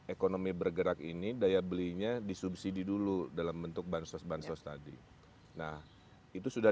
ekonomi bergerak ini daya belinya disubsidi dulu dalam bentuk bansos bansos tadi nah itu sudah